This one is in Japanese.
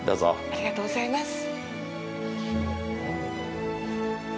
ありがとうございます。